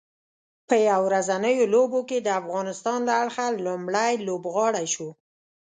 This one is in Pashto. په یو ورځنیو لوبو کې د افغانستان له اړخه لومړی لوبغاړی شو